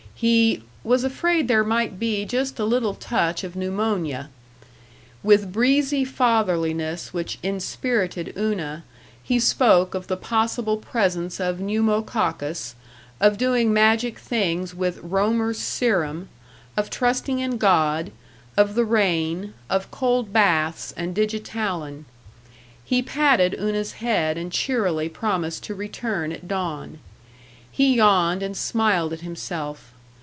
He "was afraid there might be just a little touch of pneumonia." With breezy fatherliness which inspirited Una, he spoke of the possible presence of pneumococcus, of doing magic things with Romer's serum, of trusting in God, of the rain, of cold baths and digitalin. He patted Una's head and cheerily promised to return at dawn. He yawned and smiled at himself.